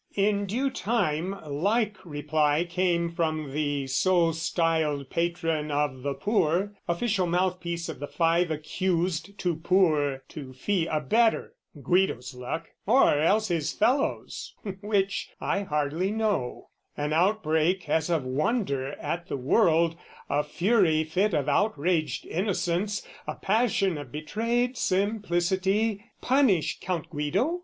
In due time like reply Came from the so styled Patron of the Poor, Official mouthpiece of the five accused Too poor to fee a better, Guido's luck Or else his fellows', which, I hardly know, An outbreak as of wonder at the world, A fury fit of outraged innocence, A passion of betrayed simplicity: "Punish Count Guido?